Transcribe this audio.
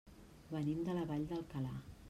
Venim de la Vall d'Alcalà.